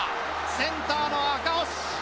センターの赤星。